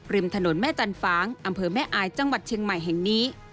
ริมถนนแม่จันฟ้างอำเภอแม่อายจังหวัดเชียงใหม่แห่งนี้